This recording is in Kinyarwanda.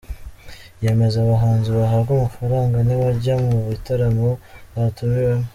Yanenze ababanzi bahabwa amafaranga ntibajye mu bitaramo batumiwemo.